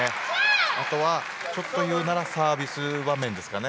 あとは、ちょっと言うならサービス場面ですかね。